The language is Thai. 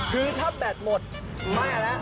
คือถ้าแบตหมดแม่แล้ว